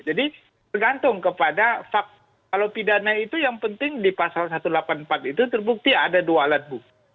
jadi tergantung kepada fakta kalau pidana itu yang penting di pasal satu ratus delapan puluh empat itu terbukti ada dua alat bukti